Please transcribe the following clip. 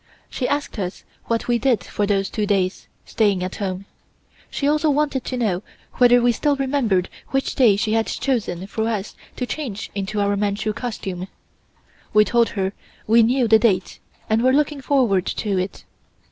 She asked us what we did for those two days, staying at home. She also wanted to know whether we still remembered which day she had chosen for us to change into our Manchu costume. We told her we knew the date, and were looking forward to it.